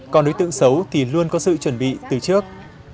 còn đối tượng xấu thì luôn có sự chuẩn bị từ trước